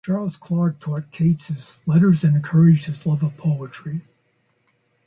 Charles Clarke taught Keats his letters and encouraged his love of poetry.